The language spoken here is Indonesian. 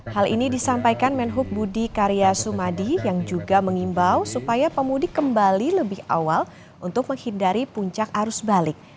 hal ini disampaikan menhub budi karya sumadi yang juga mengimbau supaya pemudik kembali lebih awal untuk menghindari puncak arus balik